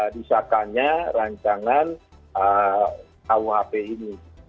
disahkannya rancangan rkuhp ini